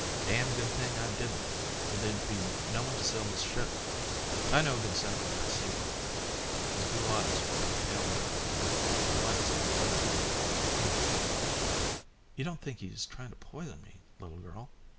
"Damned good thing I didn't, or there'd be no one to sail the ship. I know a good sailor when I see one." His blue eyes, rather pale now, with the whites all yellow, twinkled. "You don't think he's trying to poison me, little girl?"